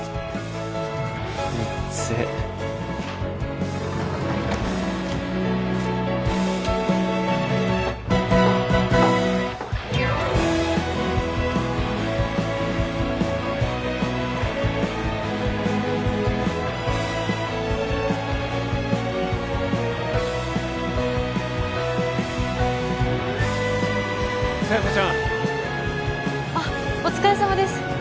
うっぜ佐弥子ちゃんあお疲れさまです